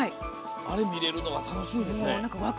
あれ見れるのが楽しみですね。